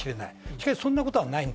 しかし、そんなことはない。